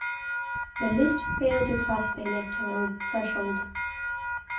The list failed to cross the electoral threshold.